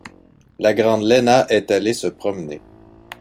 La grande Lena est allée se promener.